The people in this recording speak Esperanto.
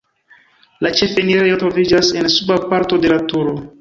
La ĉefenirejo troviĝas en suba parto de la turo.